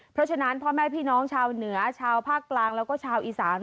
เพราะฉะนั้นพ่อแม่พี่น้องชาวเหนือชาวภาคกลางแล้วก็ชาวอีสาน